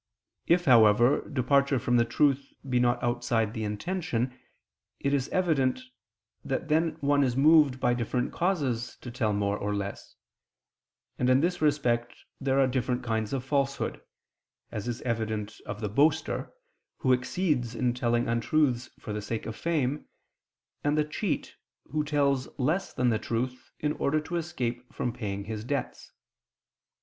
If, however, departure from the truth be not outside the intention, it is evident that then one is moved by different causes to tell more or less; and in this respect there are different kinds of falsehood, as is evident of the boaster, who exceeds in telling untruths for the sake of fame, and the cheat, who tells less than the truth, in order to escape from paying his debts.